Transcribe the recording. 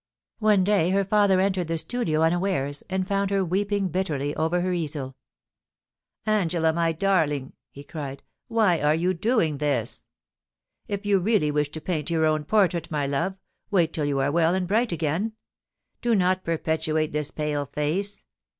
One day her father entered the studio unawares, and found her weeping bitterly over her easel * Angela, my darling !' he cried, * why are you doing this ? If you really wish to paint your own portrait, my love, wait till you are well and bright again. Do not perpetuate this pale face.